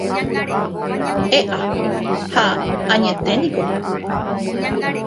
E'a ha añeténiko.